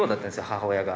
母親が。